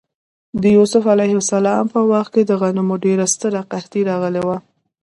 د یوسف ع په وخت کې د غنمو ډېره ستره قحطي راغلې وه.